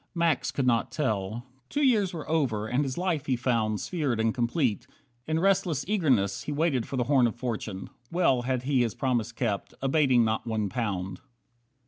Max could not tell. Two years were over and his life he found Sphered and complete. In restless eagerness He waited for the "Horn of Fortune". Well Had he his promise kept, abating not one pound.